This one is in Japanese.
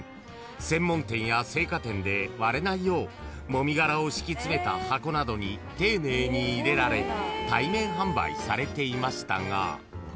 ［専門店や青果店で割れないようもみ殻を敷き詰めた箱などに丁寧に入れられ対面販売されていましたが］